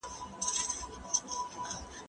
زه پرون قلم استعمالوموم وم؟!